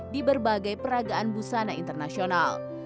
di berbagai peragaan busana internasional